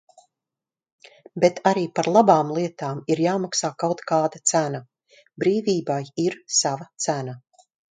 Bet arī par labām lietām ir jāmaksā kaut kāda cena. Brīvībai ir sava cena.